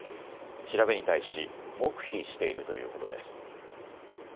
調べに対し黙秘しているということです。